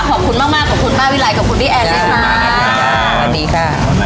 ขอบคุณมากมากขอบคุณป้าวิไลขอบคุณพี่แอนเลยค่ะสวัสดีค่ะ